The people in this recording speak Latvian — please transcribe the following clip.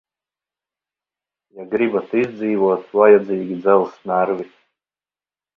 Ja gribat izdzīvot, vajadzīgi dzelzs nervi.